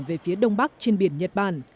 về phía đông bắc trên biển nhật bản